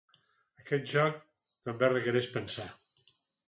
Aquest joc també requereix pensar.